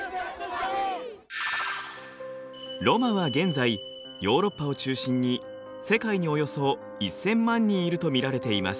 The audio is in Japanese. ロマは現在ヨーロッパを中心に世界におよそ１，０００万人いると見られています。